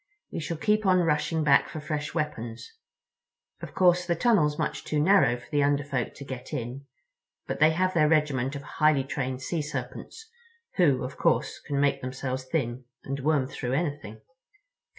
We shall keep on rushing back for fresh weapons. Of course the tunnel's much too narrow for the Under Folk to get in, but they have their regiment of highly trained Sea Serpents, who, of course, can make themselves thin and worm through anything."